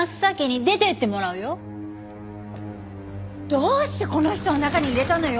どうしてこの人を中に入れたのよ！